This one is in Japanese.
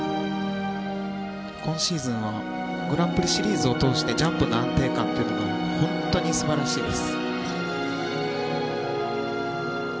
今シーズンはグランプリシリーズを通してジャンプの安定感というのも本当に素晴らしいです。